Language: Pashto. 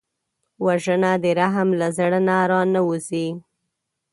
وژنه د رحم له زړه نه را نهوزي